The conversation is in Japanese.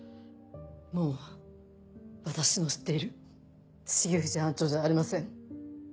もう私の知っている重藤班長じゃありません。